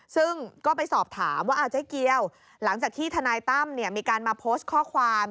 ซึ่งก็ไปสอบถามว่าเจ๊เกียวหลังจากที่ทนายตั้มมีการมาโพสต์ข้อความ